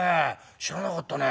知らなかったね。